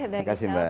terima kasih banyak